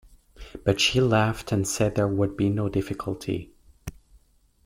But she laughed, and said there would be no difficulty.